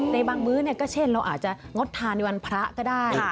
ในบางมื้อก็เช่นเราอาจจะงดทานในวันพระก็ได้